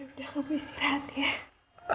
ya sudah kamu istirahat ya